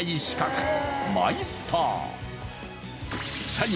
社員